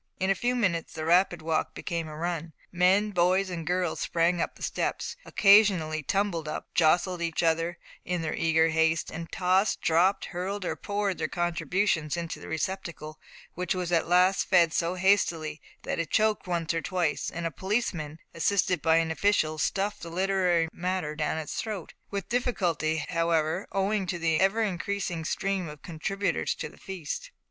In a few minutes the rapid walk became a run. Men, boys, and girls sprang up the steps occasionally tumbled up, jostled each other in their eager haste, and tossed, dropped, hurled, or poured their contributions into the receptacle, which was at last fed so hastily that it choked once or twice, and a policeman, assisted by an official, stuffed the literary matter down its throat with difficulty, however, owing to the ever increasing stream of contributors to the feast.